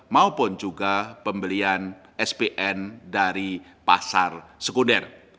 maupun juga pembelian spn dari pasar sekunder